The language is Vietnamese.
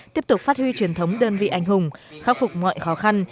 tiếp tục phát huy truyền thống đơn vị anh hùng khắc phục mọi khó khăn